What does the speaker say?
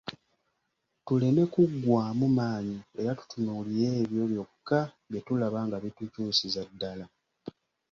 Tuleme kuggwaamu maanyi era tutunuulire ebyo byokka bye tulaba nga bitukyusiza ddala.